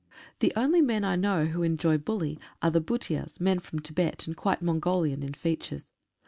The only men I know who enjoy bully are the Bhutias — men from Tibet, and quite Mongolian in features.